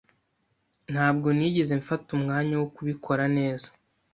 Ntabwo nigeze mfata umwanya wo kubikora neza.